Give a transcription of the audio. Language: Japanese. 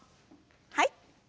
はい。